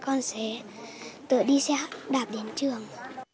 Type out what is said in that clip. con sẽ tự đi xe đạp đến trường